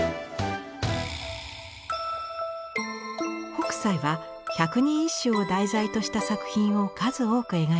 北斎は百人一首を題材とした作品を数多く描いています。